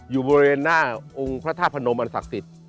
อยู่บริเวณหน้าองค์พระธาตุพนมอันศักดิ์สิทธิ์